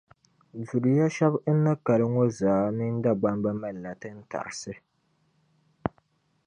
Zuliya shԑba n ni kali ŋᴐ zaa mini Dagbamba malila tintarisi